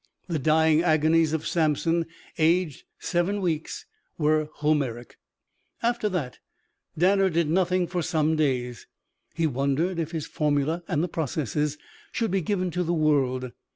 The dying agonies of Samson, aged seven weeks, were Homeric. After that, Danner did nothing for some days. He wondered if his formulæ and processes should be given to the world.